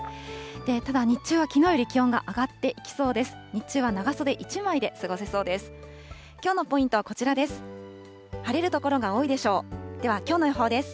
ただ、日中はきのうより気温が上がっていきそうです。